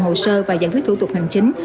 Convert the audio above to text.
hồ sơ và giải quyết thủ tục hành chính